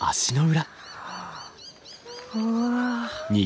ああ。